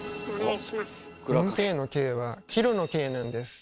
４Ｋの「Ｋ」はキロの「Ｋ」なんです。